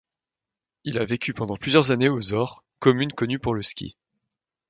Il a vécu pendant plusieurs années aux Orres, commune connue pour le ski.